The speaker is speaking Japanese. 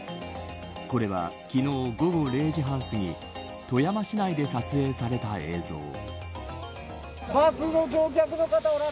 これは昨日、午後０時半すぎ富山市内で撮影された映像。